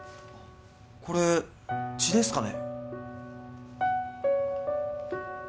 これ血ですかね？